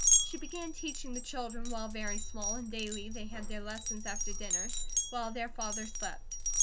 She began teaching her children while very small, and daily they had their lessons after dinner, while their father slept.